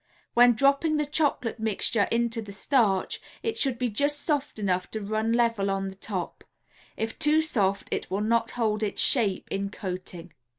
When dropping the chocolate mixture into the starch it should be just soft enough to run level on the top. If too soft it will not hold its shape in coating.